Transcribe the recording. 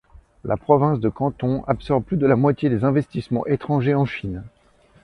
La province de Canton absorbe plus de la moitié des investissements étrangers en Chine.